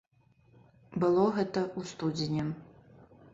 Было гэта ў студзені.